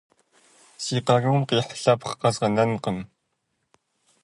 Си къарум къихь лъэпкъ къэзгъэнэнкъым!